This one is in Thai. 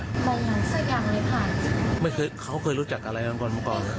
เหมือนเค้าเข้ารู้จักเกินไปก่อน